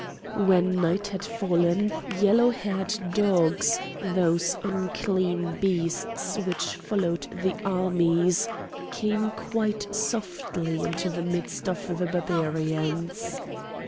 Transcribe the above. When night had fallen yellow haired dogs, those unclean beasts which followed the armies, came quite softly into the midst of the Barbarians.